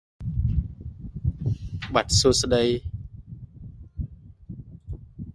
Cowan was born in Gore and attended Gore High School.